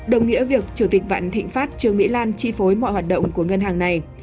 đồng nghĩa việc chủ tịch vạn thịnh pháp trương mỹ lan chi phối mọi hoạt động của ngân hàng này